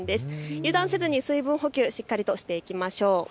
油断せず水分補給しっかりしていきましょう。